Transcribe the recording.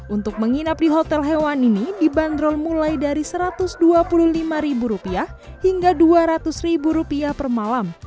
untuk menginap di hotel hewan ini dibanderol mulai dari satu ratus dua puluh lima ribu rupiah hingga dua ratus ribu rupiah per malam